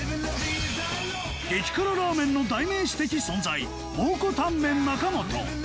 激辛ラーメンの代名詞的存在蒙古タンメン中本